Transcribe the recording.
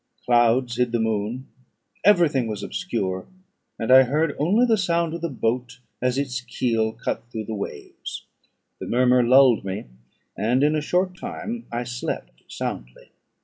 Clouds hid the moon, every thing was obscure, and I heard only the sound of the boat, as its keel cut through the waves; the murmur lulled me, and in a short time I slept soundly.